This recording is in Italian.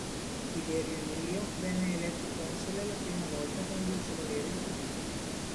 Tiberio Emilio venne eletto console la prima volta con Lucio Valerio Potito.